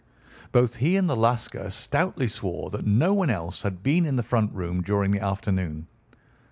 Both he and the Lascar stoutly swore that no one else had been in the front room during the afternoon.